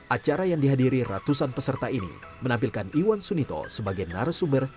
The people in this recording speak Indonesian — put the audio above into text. acara yang dihadiri ratusan peserta ini menampilkan iwan sunito sebagai narasumber